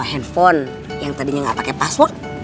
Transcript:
handphone yang tadinya gak pake password